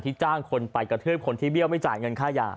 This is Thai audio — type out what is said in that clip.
จ้างคนไปกระทืบคนที่เบี้ยวไม่จ่ายเงินค่ายา